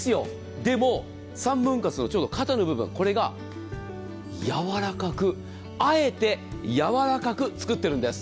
でも、３分割の肩の部分、これがやわらかく、あえてやわらかく作ってるんです。